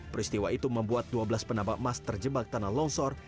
peristiwa itu membuat dua belas penambang emas terjebak tanah longsor